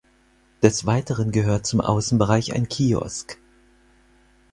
Des Weiteren gehört zum Außenbereich ein Kiosk.